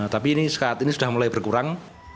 tapi ini saat ini sudah mulai berkurang